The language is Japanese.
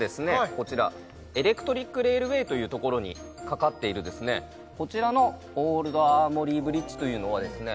こちらエレクトリックレールウェイというところに架かっているですねこちらのオールド・アーモリィ・ブリッジというのはですね